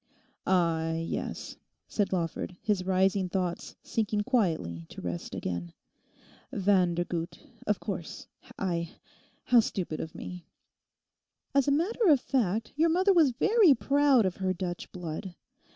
'Ah, yes,' said Lawford, his rising thoughts sinking quietly to rest again. 'Van der Gucht, of course. I—how stupid of me!' 'As a matter of fact, your mother was very proud of her Dutch blood.